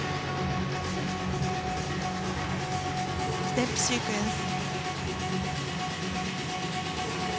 ステップシークエンス。